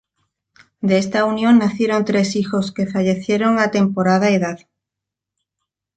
De esta unión nacieron tres hijos que fallecieron a temporada edad.